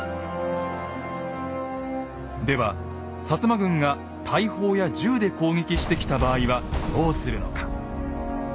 では摩軍が大砲や銃で攻撃してきた場合はどうするのか。